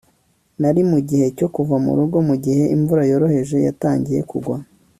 nari mugihe cyo kuva murugo mugihe imvura yoroheje yatangiye kugwa